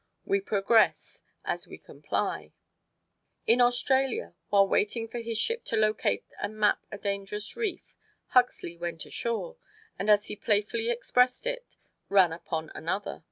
We progress as we comply." In Australia, while waiting for his ship to locate and map a dangerous reef, Huxley went ashore, and as he playfully expressed it, "ran upon another."